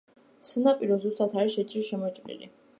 სანაპირო სუსტად არის შეჭრილ-შემოჭრილი.